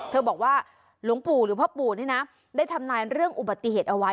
บอกว่าหลวงปู่หรือพ่อปู่นี่นะได้ทำนายเรื่องอุบัติเหตุเอาไว้